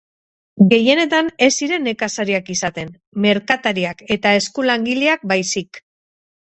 Gehienetan ez ziren nekazariak izaten, merkatariak eta eskulangileak baizik.